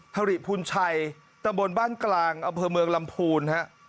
ฮริพูนชัยตะบนบ้านกลางเอาเพื่อเมืองลำพูน